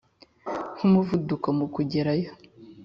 nkumuvuduko mukugerayo,